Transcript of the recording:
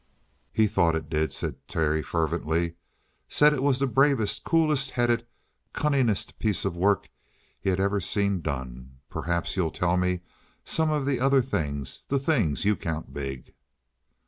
"He thought it did," said Terry fervently. "Said it was the bravest, coolest headed, cunningest piece of work he'd ever seen done. Perhaps you'll tell me some of the other things the things you count big?"